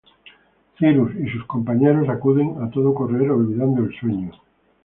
Cyrus y sus compañeros acuden a todo correr, olvidando el sueño.